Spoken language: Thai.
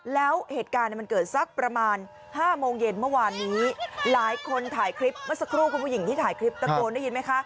แล้วเหตุการณ์มันเกิดสักประมาณ๕โมงเย็นเมื่อวานนี้หลายคนถ่ายคลิปเมื่อสักครู่คุณผู้หญิงที่ถ่ายคลิปตะโกนได้ยินไหมคะ